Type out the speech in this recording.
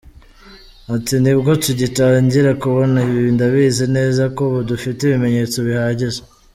Ati “Nibwo tugitangira kubona ibi, ndabizi neza ko ubu dufite ibimenyetso bihagije.